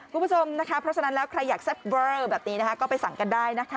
คุณผู้ชมนะคะเพราะฉะนั้นแล้วใครอยากแซ่บเวอร์แบบนี้นะคะก็ไปสั่งกันได้นะคะ